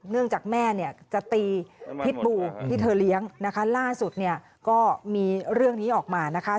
เนื่องจากแม่เนี่ยจะตีพิษบูที่เธอเลี้ยงนะคะล่าสุดเนี่ยก็มีเรื่องนี้ออกมานะคะ